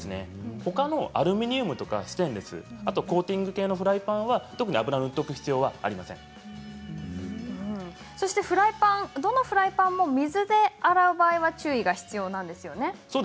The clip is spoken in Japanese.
ほかのアルミやステンレス、鋼コーティング系のフライパンは特に油を塗っておくどのフライパンも水で洗う場合は注意が必要なんですよね。